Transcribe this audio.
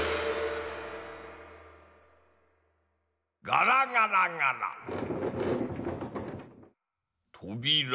ガラガラガラ。